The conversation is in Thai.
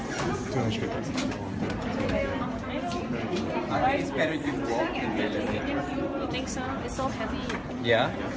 สวัสดีครับ